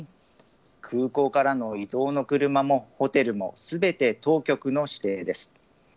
空港からの移動の車もホテルも、すべて当局の指定です。